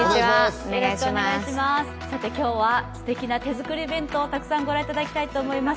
今日は素敵な手作り弁当をたくさんご覧いただきたいと思います。